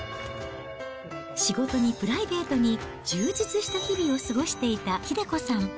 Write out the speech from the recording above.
仕事にプライベートに充実した日々を過ごしていた英子さん。